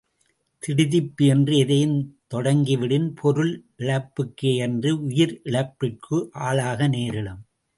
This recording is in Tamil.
திடுதிப்பென்று எதையும் தொடங்கிவிடின், பொருள் இழப்புக்கேயன்றி உயிர் இழப்பிற்கும் ஆளாக நேரிடும்.